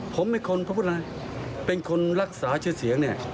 ผมเป็นคนพูดอะไรเป็นคนรักษาชื่อเสียงนี่